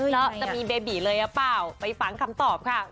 แล้วจะมีเบบีเลยหรือเปล่าไปฟังคำตอบค่ะ